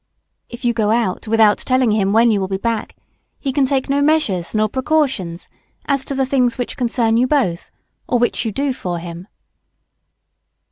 If you go out without telling him when you will be back, he can take no measures nor precautions as to the things which concern you both, or which you do for him.